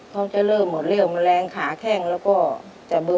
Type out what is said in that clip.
เขาจะเริ่มหมดเรี่ยวหมดแรงขาแข้งแล้วก็จะเบอร์